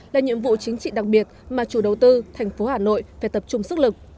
là nhiệm vụ chính trị đặc biệt mà chủ đầu tư thành phố hà nội phải tập trung sức lực